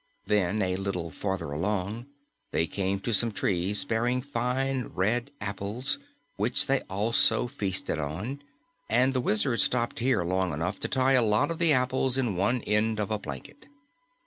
Then, a little farther along, they came to some trees bearing fine, red apples, which they also feasted on, and the Wizard stopped here long enough to tie a lot of the apples in one end of a blanket.